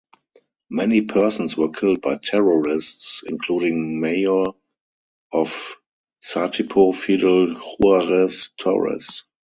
Many persons were killed by terrorists, including Mayor of Satipo Fidel Juarez Torres.